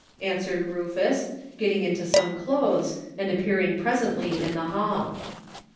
answered Rufus, getting into some clothes and appearing pres ently in the hall.